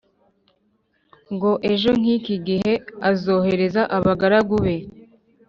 ngo ejo nk iki gihe azohereza abagaragu be